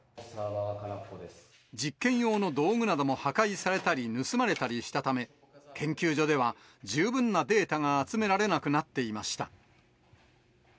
実験用の道具なども破壊されたり、盗まれたりしたため、研究所では、十分なデータが集められなくなっていました。